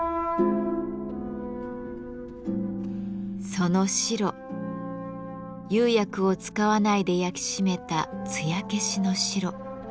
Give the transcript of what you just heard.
その白釉薬を使わないで焼き締めた艶消しの白。